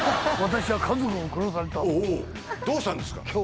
おぉどうしたんですか？